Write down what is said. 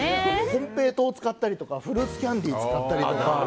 金平糖を使ったりフルーツキャンディーを使ったりとか。